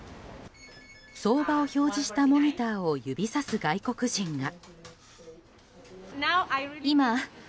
相場を表示したモニターを指さす外国人が。